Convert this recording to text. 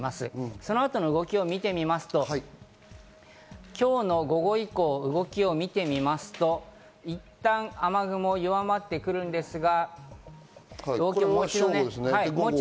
そのあとの動きを見てみますと今日の午後以降、動きを見てみますと、いったん雨雲が弱まってくるんですが。